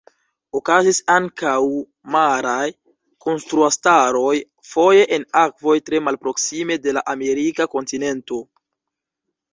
Okazis ankaŭ maraj kontraŭstaroj, foje en akvoj tre malproksime de la amerika kontinento.